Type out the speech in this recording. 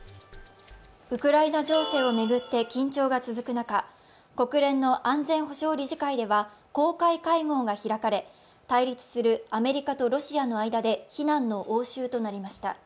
ウクライナ情勢を巡って緊張が続く中国連の安全保障理事会では公開会合が開かれ対立するアメリカとロシアの間で非難の応酬となりました。